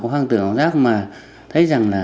có hoang tưởng ảo giác mà thấy rằng là